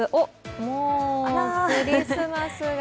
もうクリスマスが。